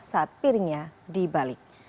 saat piringnya dibalik